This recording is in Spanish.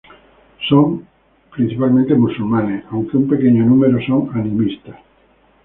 Son principalmente musulmanes, aunque un pequeño número son animistas.